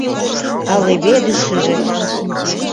— А леведышыже?